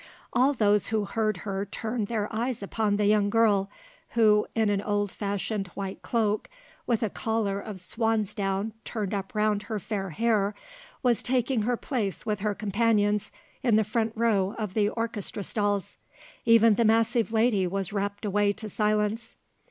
All those who had heard her turned their eyes upon the young girl, who, in an old fashioned white cloak, with a collar of swansdown turned up round her fair hair, was taking her place with her companions in the front row of the orchestra stalls. Even the massive lady was rapt away to silence.